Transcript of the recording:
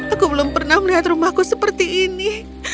aku belum pernah melihat rumahku seperti ini